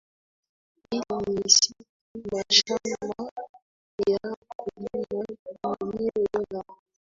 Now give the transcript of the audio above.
hili ni misitu mashamba ya kulimwa nieneo la